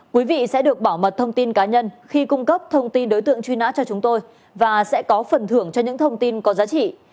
quý vị sẽ được bảo mật thông tin cá nhân khi cung cấp thông tin đối tượng truy nã cho chúng tôi và sẽ có phần thưởng cho những thông tin có giá trị